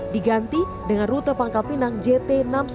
diganti dengan rute pangkal pinang jt enam ratus sepuluh